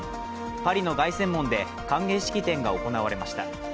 パリの凱旋門で歓迎式典が行われました。